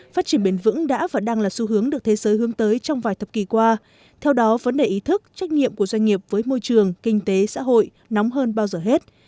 phát triển bền vững đã và đang là xu hướng được thế giới hướng tới trong vài thập kỷ qua theo đó vấn đề ý thức trách nhiệm của doanh nghiệp với môi trường kinh tế xã hội nóng hơn bao giờ hết